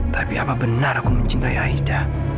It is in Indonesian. tapi apa benar aku mencintai aida